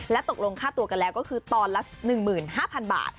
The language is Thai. ตกลงค่าตัวกันแล้วก็คือตอนละ๑๕๐๐๐บาท